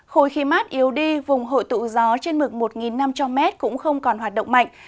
khối khí mát yếu đi vùng hội tụ gió trên mực một năm trăm linh m cũng không còn hoạt động mạnh